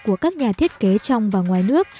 của các nhà thiết kế trong và ngoài nước